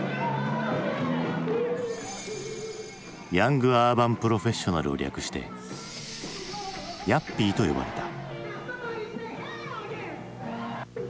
ヤング・アーバン・プロフェッショナルを略して「ヤッピー」と呼ばれた。